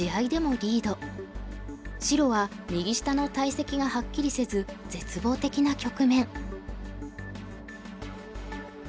白は右下の大石がはっきりせず絶望的な局面。